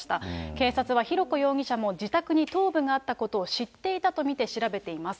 警察は浩子容疑者も自宅に頭部があったことを知っていたと見て調べています。